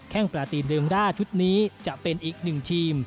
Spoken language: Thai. งปราตีนเรมร่าชุดนี้จะเป็นอีกหนึ่งทีม